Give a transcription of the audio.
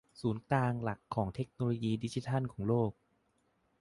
ศูนย์กลางหลักของเทคโนโลยีดิจิทัลของโลก